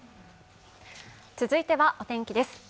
続いてはお天気です。